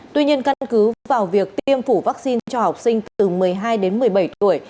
tuy nhiên căn cứ vào việc tiêm phủ vaccine cho học sinh từ một mươi hai đến một mươi bảy tuổi